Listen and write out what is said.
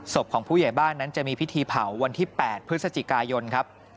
ศพของผู้ใหญ่บ้านนั้นจะมีพิธีเผาวันที่๘พฤศจิกายนครับ